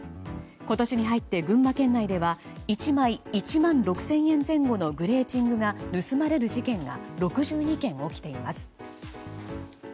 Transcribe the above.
今年に入って群馬県内では１枚１万６０００円前後のグレーチングが盗まれる事件が６２件起きています。